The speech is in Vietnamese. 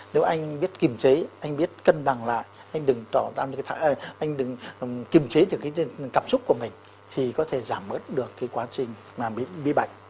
nếu anh biết kiềm chế anh biết cân bằng lại anh đừng kiềm chế được cái cảm xúc của mình thì có thể giảm bớt được cái quá trình mà bị bệnh